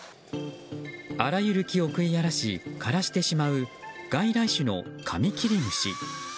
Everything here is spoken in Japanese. あらゆる木を食い荒らし枯らしてしまう外来種のカミキリムシ。